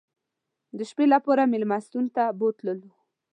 د شپې لپاره مېلمستون ته بوتلو.